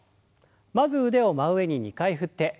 まず腕を真上に２回振って。